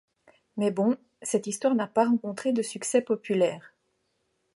Mais bon, cette histoire n'a pas rencontré de succès populaire.